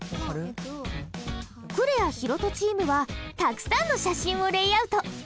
クレア・大翔チームはたくさんの写真をレイアウト。